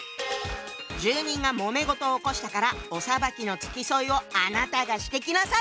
住人がもめ事を起こしたからお裁きの付き添いをあなたがしてきなさい！